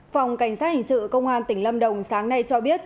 phòng cảnh sát hình sự công an tỉnh lâm đồng sáng nay cho biết